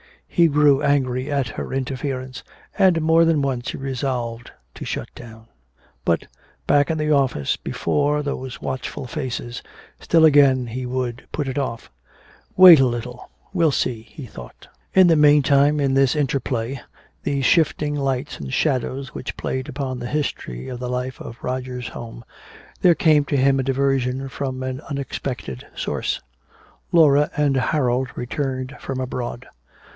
He grew angry at her interference, and more than once he resolved to shut down. But back in the office, before those watchful faces, still again he would put it off. "Wait a little. We'll see," he thought. In the meantime, in this interplay, these shifting lights and shadows which played upon the history of the life of Roger's home, there came to him a diversion from an unexpected source. Laura and Harold returned from abroad.